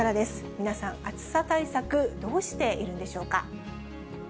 皆さん、暑さ対策どうしているんでしょうか。